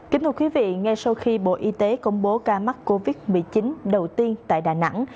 kính thưa quý vị ngay sau khi bộ y tế công bố ca mắc covid một mươi chín đầu tiên tại đà nẵng